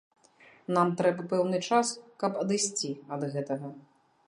Нам трэба пэўны час, каб адысці ад гэтага.